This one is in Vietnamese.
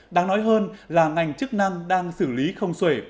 đáng nói hơn là ngành chức năng đang xử lý không xuể